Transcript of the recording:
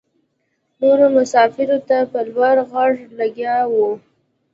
نورو مساپرو ته په لوړ غږ لګیا وه.